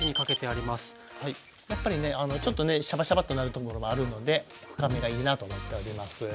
やっぱりねちょっとねシャバシャバッとなるところもあるので深めがいいなと思っております。